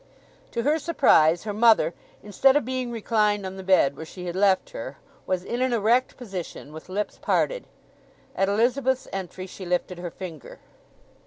To her surprise her mother, instead of being reclined on the bed where she had left her was in an erect position, with lips parted. At Elizabeth's entry she lifted her finger.